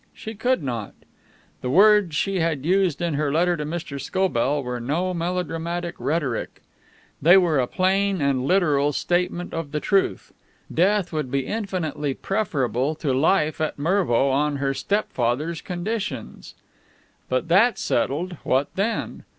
She could not. The words she had used in her letter to Mr. Scobell were no melodramatic rhetoric. They were a plain and literal statement of the truth. Death would be infinitely preferable to life at Mervo on her stepfather's conditions. But, that settled, what then?